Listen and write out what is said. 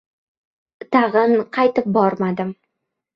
Tag‘in qaytib bormadim.